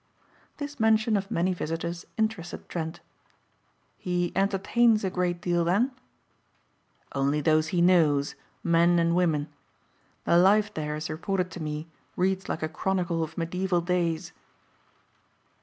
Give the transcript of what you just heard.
This mention of many visitors interested Trent. "He entertains a great deal then?" "Only those he knows, men and women. The life there as reported to me reads like a chronicle of medieval days."